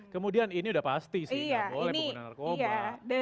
kemudian ini udah pasti sih nggak boleh pengguna narkoba